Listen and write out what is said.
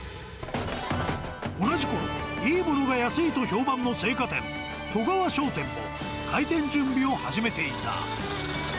同じころ、いいものが安いと評判の青果店、外川商店も開店準備を始めていた。